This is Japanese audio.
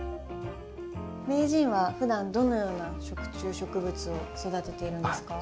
名人はふだんどのような食虫植物を育てているんですか？